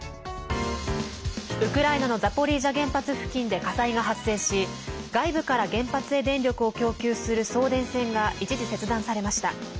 ウクライナのザポリージャ原発付近で火災が発生し外部から原発へ電力を供給する送電線が一時切断されました。